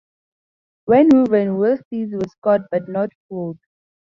When woven, worsteds were scoured but not fulled.